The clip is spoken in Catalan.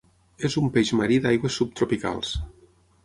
És un peix marí d'aigües subtropicals.